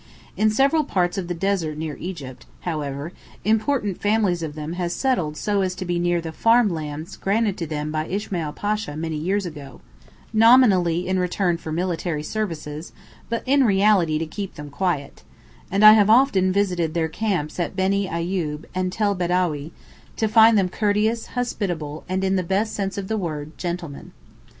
In several parts of the desert near Egypt, however, important families of them have settled so as to be near the farm lands granted to them by Ismail Pasha many years ago (nominally in return for military services, but in reality to keep them quiet), and I have often visited their camps at Beni Ayoub and Tel Bedawi, to find them courteous, hospitable, and in the best sense of the word, gentlemen.